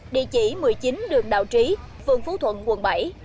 địa chỉ một mươi chín đường đào trí phường phú thuận quận bảy